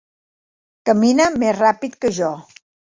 Camina més ràpid que jo.